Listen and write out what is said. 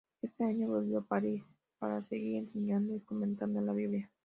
Ese año volvió a París para seguir enseñando y comentando la Biblia.